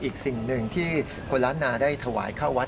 อีกสิ่งหนึ่งที่คนล้านนาได้ถวายเข้าวัด